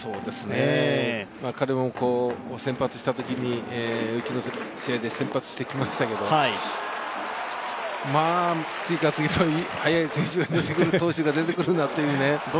彼も先発したときに、うちの試合で先発してきましたけどまあ、次から次と速い投手が出てくるなというね